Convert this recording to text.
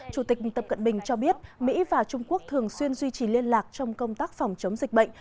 chủ tịch tập cận bình cho biết mỹ và trung quốc thường xuyên duy trì liên lạc trong công tác phòng chống dịch bệnh